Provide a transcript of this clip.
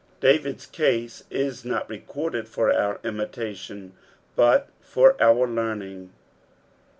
David's case is not recorded for our imita tion, but for our learning.